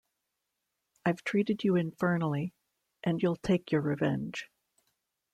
I’ve treated you infernally — and you’ll take your revenge!